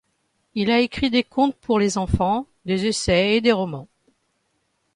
Il a écrit des contes pour les enfants, des essais et des romans.